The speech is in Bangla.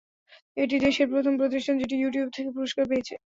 এটি দেশের প্রথম প্রতিষ্ঠান যেটি ইউটিউব থেকে পুরস্কার পেয়েছে।